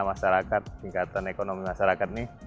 masyarakat tingkatan ekonomi masyarakat ini